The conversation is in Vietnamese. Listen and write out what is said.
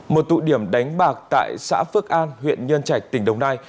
một tụ điểm đánh bạc tại xã phước an huyện nhân trạch tỉnh đồng nai